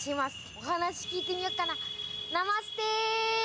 お話聞いてみよっかなナマステ。